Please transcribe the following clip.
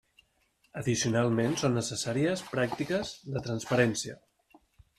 Addicionalment són necessàries pràctiques de transparència.